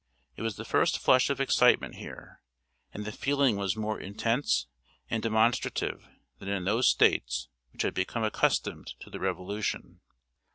It was the first flush of excitement here, and the feeling was more intense and demonstrative than in those States which had become accustomed to the Revolution.